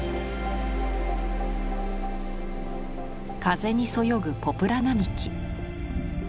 風にそよぐポプラ並木。